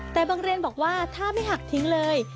แต่บางเรียนบอกว่าถ้าไม่หักทิ้งเลย